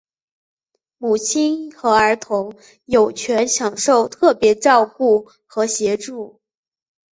母亲和儿童有权享受特别照顾和协助。